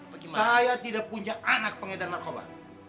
saya tidak punya anak pengedar narkoba